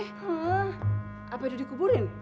hah apa udah dikuburin